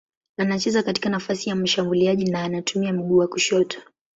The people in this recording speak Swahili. Anacheza katika nafasi ya mshambuliaji na anatumia mguu wa kushoto.